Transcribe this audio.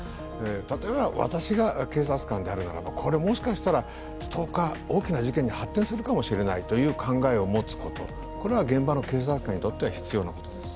例えば、私が警察官であるならばこれはもしかしたらストーカー大きな事件に発展するかもしれないという考えを持つことこれは現場の警察官にとっては必要なことです。